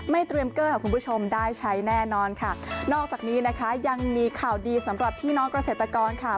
เตรียมเกอร์ค่ะคุณผู้ชมได้ใช้แน่นอนค่ะนอกจากนี้นะคะยังมีข่าวดีสำหรับพี่น้องเกษตรกรค่ะ